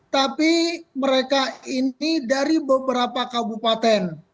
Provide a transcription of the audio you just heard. tapi mereka ini dari beberapa kabupaten